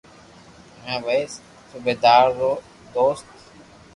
ھين وئي صوبيدار رو نو ر